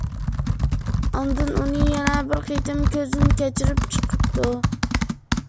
ئاندىن ئۇنى يەنە بىر قېتىم كۆزدىن كەچۈرۈپ چىقىپتۇ.